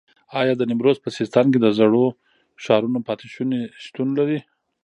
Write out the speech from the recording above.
ایا د نیمروز په سیستان کې د زړو ښارونو پاتې شونې شتون لري؟